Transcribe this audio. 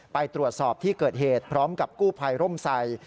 ไปตรวจสอบที่เกิดเหตุพร้อมกับกู้ภัยร่มใส่